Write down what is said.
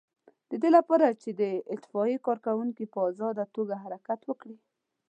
د دې لپاره چې د اطفائیې کارکوونکي په آزاده توګه حرکت وکړي.